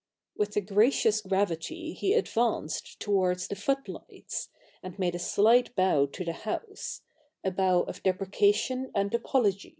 With a gracious gravity he advanced towards the foot lights ; and made a slight bow to the house — a bow of deprecation and apolog)